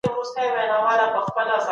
تر څو هغوی هم نیکان شي.